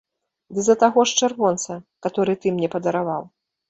Ды за таго ж чырвонца, каторы ты мне падараваў!